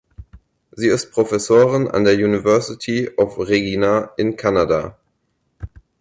Sie ist Professorin an der University of Regina in Kanada.